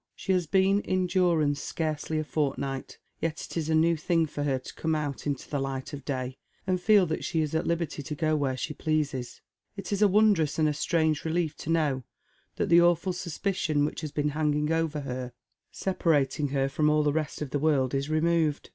She has been in durance scarcely a fortnight, yet it is a new thing for her to come out into the light of day, and feel that she is at liberty to go where she pleases It is a wondrous and a strange relief to know that the awful suspicion which has been hanging over her, separating her from all the rest of the world, is removed.